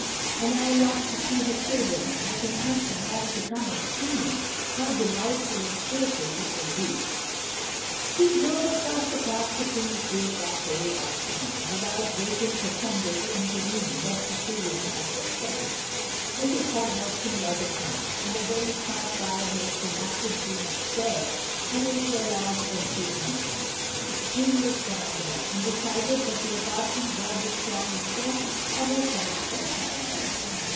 And I long to see her children. I can ask them all to come and see me. How delightful and cheerful it will be." She drove across the Park to Queen's Gate that very afternoon, without waiting for Sunday to intervene that Cecilia might get settled. Mrs. Hogg Watson was at home; and a very smart parlour maid conducted Jeanne up stairs, and into a large empty drawing room. Jeanne looked round her, and decided that the apartment bore the strong impress of her friend's personality.